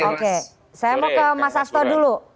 oke saya mau ke mas asto dulu